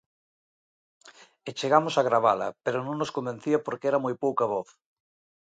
E chegamos a gravala, pero non nos convencía porque era moi pouca voz.